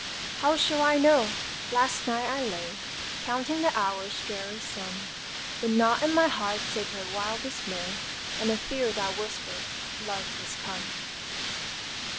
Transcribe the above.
How shall I know? last night I lay Counting the hours' dreary sum With naught in my heart save a wild dismay And a fear that whispered, "Love is come!"